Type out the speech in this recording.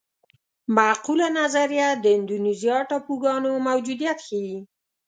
معقوله نظریه د اندونیزیا ټاپوګانو موجودیت ښيي.